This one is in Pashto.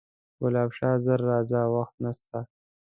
ګلاب شاه ژر راځه وخت نسته